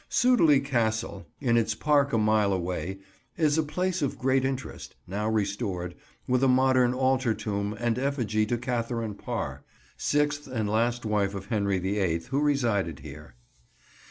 Sudeley Castle, in its park a mile away, is a place of great interest, now restored, with a modern altar tomb and effigy to Catherine Parr, sixth and last wife of Henry the Eighth, who resided here.